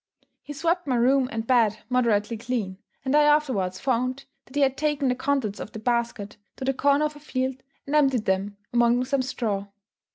He swept my room and bed moderately clean, and I afterwards found that he had taken the contents of the basket to the corner of a field, and emptied them among some straw.